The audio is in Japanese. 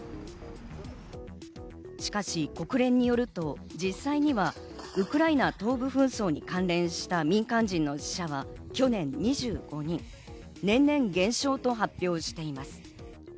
国連によると実際にはウクライナ東部紛争に関連した民間人の死者は去年２５人、年々減少と発表しています。